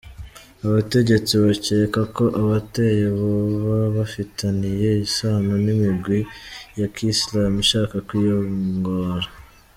Abategetsi bakeka ko abateye boba bafitaniye isano n'imigwi ya ki Islam ishaka kwiyonkora.